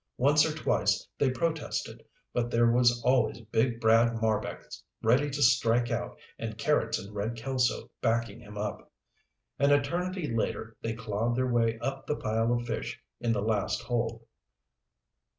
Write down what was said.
Once or twice they protested, but there was always big Brad Marbek ready to strike out and Carrots and Red Kelso backing him up. An eternity later they clawed their way up the pile of fish in the last hold.